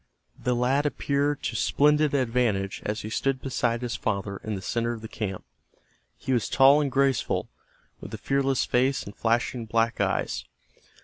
The lad appeared to splendid advantage as he stood beside his father in the center of the camp. He was tall and graceful, with a fearless face and flashing black eyes.